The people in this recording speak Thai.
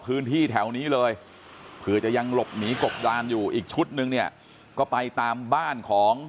พื้นที่แถวนี้เลยเผื่อจะยังหลบหนีกบดานอยู่อีกชุดนึงเนี่ยก็ไปตามบ้านของ